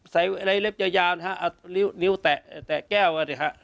ใส่ไอ้เล็บเยาะยานะฮะนิ้วนิ้วแตะแตะแก้วอะเดี๋ยวฮะ